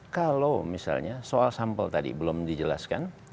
kalau misalnya soal sampel tadi belum dijelaskan